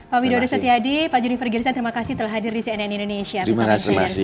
pak widodo setiadi pak juni fergirisan terima kasih telah hadir di cnn indonesia insiders